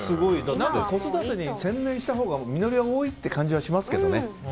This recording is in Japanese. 子育てに専念したほうが実りは多いって感じはしますけどね。